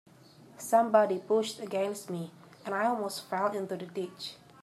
Somebody pushed against me, and I almost fell into the ditch.